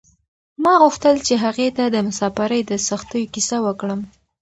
ما غوښتل چې هغې ته د مساپرۍ د سختیو کیسه وکړم.